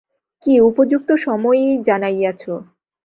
কী উপযুক্ত সময়েই জানাইয়াছ!